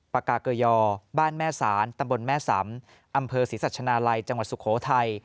ปากาเกยอบ้านแม่ศาลตำบลแม่สำอำเภอศรีสัชนาลัยจังหวัดสุโขทัย